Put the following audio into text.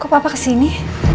kok papa kesini